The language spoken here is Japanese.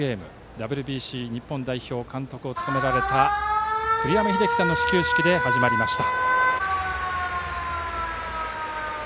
ＷＢＣ日本代表監督を務められた栗山英樹さんの始球式で始まりました。